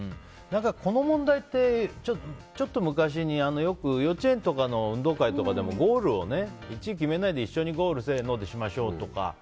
この問題ってちょっと昔によく幼稚園とかの運動会とかでも１位決めないで一緒にゴールをせーのでしましょうとか。